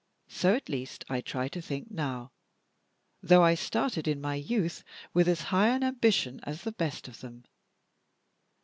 So, at least, I try to think now, though I started in my youth with as high an ambition as the best of them.